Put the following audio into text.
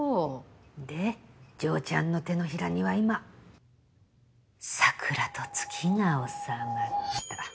で嬢ちゃんの手のひらには今桜と月が収まった。